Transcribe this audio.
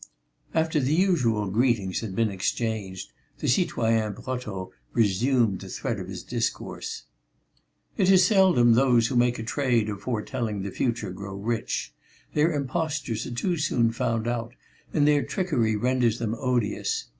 After the usual greetings had been exchanged, the citoyen Brotteaux resumed the thread of his discourse: "It is seldom those who make a trade of foretelling the future grow rich. Their impostures are too soon found out and their trickery renders them odious.